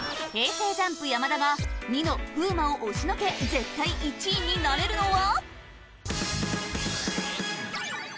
ＪＵＭＰ・山田がニノ風磨を押しのけ絶対１位になれるのは？